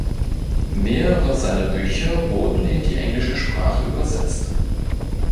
Mehrere seiner Bücher wurden in die englische Sprache übersetzt.